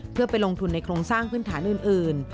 เพื่อไปลงทุนในโครงสร้างพื้นฐานอื่น